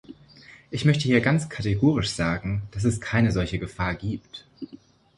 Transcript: Ich möchte hier ganz kategorisch sagen, dass es keine solche Gefahr gibt.